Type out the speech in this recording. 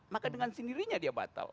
maka dengan sendirinya dia batal